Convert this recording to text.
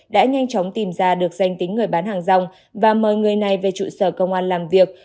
đã nhanh chóng tìm ra được danh tính người bán hàng rong và mời người này về trụ sở công an làm việc